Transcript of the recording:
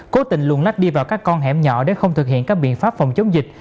cố tình luồn lách đi vào các con hẻm nhỏ để không thực hiện các biện pháp phòng chống dịch